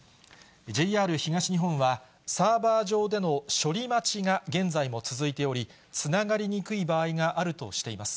ＪＲ東日本は、サーバー上での処理待ちが現在も続いており、つながりにくい場合があるとしています。